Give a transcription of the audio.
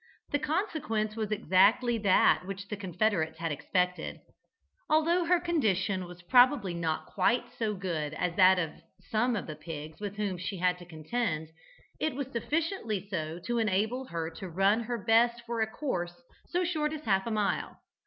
The consequence was exactly that which the confederates had expected. Although her condition was probably not quite so good as that of some of the pigs with whom she had to contend, it was sufficiently so to enable her to run her best for a course so short as half a mile.